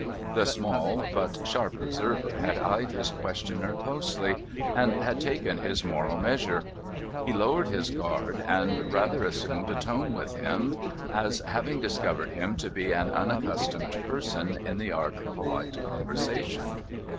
The small but sharp observer had eyed his questioner closely, and had taken his moral measure. He lowered his guard, and rather assumed a tone with him : as having discovered him to be an unaccustomed person in the art of polite conversation.